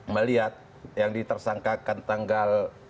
melihat yang ditersangkakan tanggal